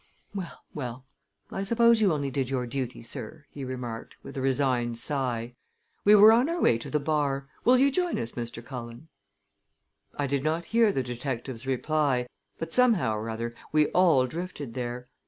"Well, well! I suppose you only did your duty, sir," he remarked, with a resigned sigh. "We were on our way to the bar. Will you join us, Mr. Cullen?" I did not hear the detective's reply, but somehow or other we all drifted there.